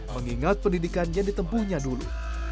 mengingat pendidikan yang ditempuhnya dulu